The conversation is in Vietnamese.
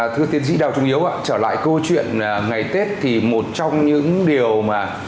thưa tiến sĩ đào trung hiếu trở lại câu chuyện ngày tết thì một trong những điều mà